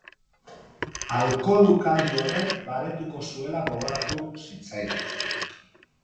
Alkohol-ukaldi horrek baretuko zuela gogoratu zitzaidan.